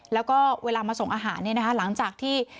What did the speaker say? แล้วก็เวลามาส่งอาหารหลังจากที่